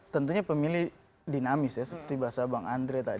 tentunya pemilih dinamis ya seperti bahasa bang andre tadi